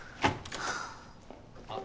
あっ！